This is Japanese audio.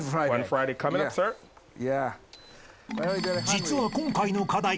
［実は今回の課題